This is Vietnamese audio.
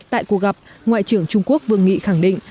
tại cuộc gặp ngoại trưởng trung quốc vương nghị khẳng định